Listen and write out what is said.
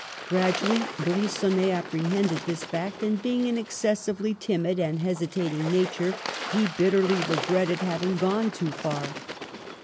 Gradually Bri^onnet apprehended this fact; and being an excessively timid and hesitating nature, he bit terly regretted having gone too far.